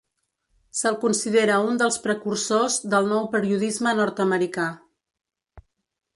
Se’l considera un dels precursors del nou periodisme nord-americà.